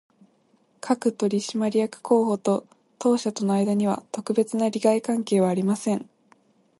各取締役候補と当社との間には、特別な利害関係はありません